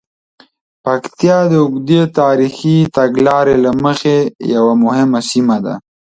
پکتیا د اوږدې تاریخي تګلارې له مخې یوه مهمه سیمه ده.